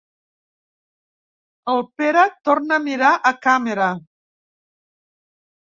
El Pere torna a mirar a càmera.